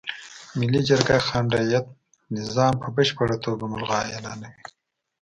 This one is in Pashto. ملي جرګه خان رعیت نظام په بشپړه توګه ملغا اعلانوي.